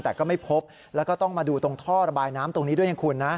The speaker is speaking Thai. แต่ก็ไม่พบแล้วก็ต้องมาดูตรงท่อระบายน้ำตรงนี้ด้วยนะคุณนะ